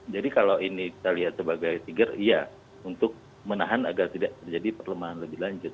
jadi kalau ini kita lihat sebagai trigger iya untuk menahan agar tidak terjadi perlemahan lebih lanjut